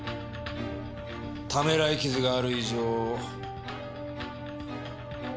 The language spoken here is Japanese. ためらい傷がある以上。